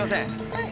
はい。